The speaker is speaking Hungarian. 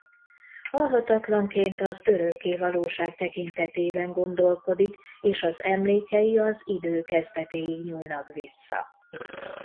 Halhatatlanként az örökkévalóság tekintetében gondolkodik és az emlékei az idő kezdetéig nyúlnak vissza.